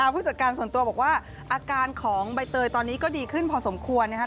ผู้จัดการส่วนตัวบอกว่าอาการของใบเตยตอนนี้ก็ดีขึ้นพอสมควรนะครับ